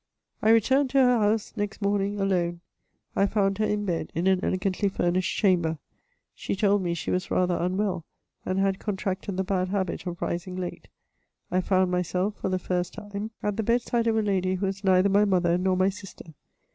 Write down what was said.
I returned to her house next morning alone ; I found her in bed in an elegantly furnished chamber. She told me she was rather unwell, and had contracted the bad habit of rising late. I found myself, for the first time, at the bedside of a lady who was neither my mother nor my sister.